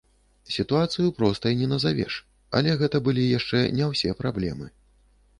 Сітуацыю простай не назавеш, але гэта былі яшчэ не ўсе праблемы.